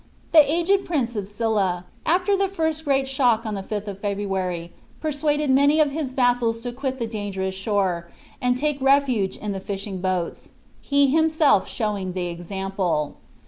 The aged Prince of Scilla, after the first great shock on the 5th of February, persuaded many of his vassals to quit the dangerous shore, and take refuge in the fishing boats he himself showing the example.